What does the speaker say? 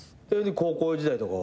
高校時代とかは？